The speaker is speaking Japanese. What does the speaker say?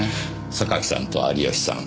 榊さんと有吉さん。